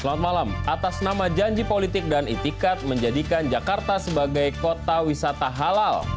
selamat malam atas nama janji politik dan itikat menjadikan jakarta sebagai kota wisata halal